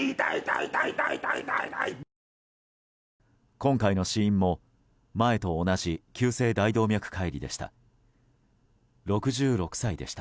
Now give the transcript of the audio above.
今回の死因も前と同じ急性大動脈解離でした。